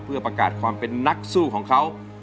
เพื่อประกาศความเป็นนักสู้ของเขา